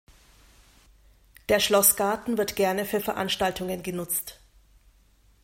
Der Schlossgarten wird gerne für Veranstaltungen genutzt.